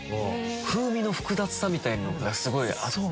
風味の複雑さみたいなのがすごいあって。